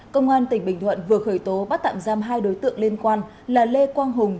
công an tỉnh bình thuận vừa khởi tố bắt tạm giam hai đối tượng liên quan là lê quang hùng